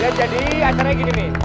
ya jadi acaranya gini nih